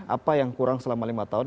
apa yang kurang selama lima tahun